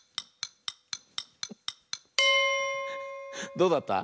どうだった？